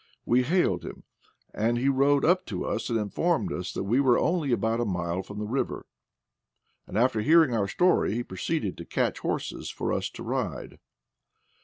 We hailed him, and he rode up to us, and informed us that we were only about a mile from the river, and after hearing our story he proceeded to catch horses for us to ride.